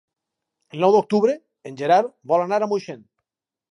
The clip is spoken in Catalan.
El nou d'octubre en Gerard vol anar a Moixent.